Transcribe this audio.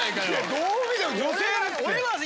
どう見ても女性ですって。